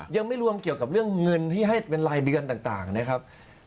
ยังไม่รวมเกี่ยวกับเรื่องเงินที่ให้เป็นรายเดือนต่างนะครับ